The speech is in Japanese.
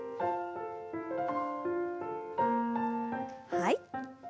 はい。